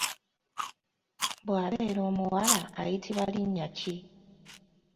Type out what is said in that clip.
bwabeera omuwala ayitibwa linnya ki?